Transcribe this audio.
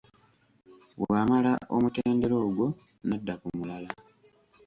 Bw’amala omutendera ogwo n’adda ku mulala